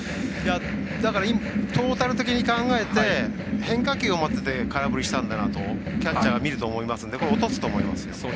だから、トータル的に考えて変化球を待ってて空振りしたんだとキャッチャーが見ると思いますのでこれは落とすと思いますよ。